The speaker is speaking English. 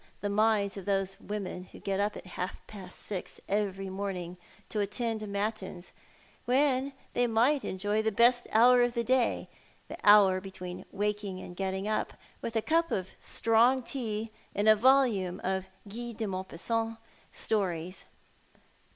19 the minds of those women who get up at half past six every morninc: to attend matins, when they might enjoy the best hour of the day, the hour between waking and getting up, with a cup of strong tea and a volume of Guy de Maupassant's stories.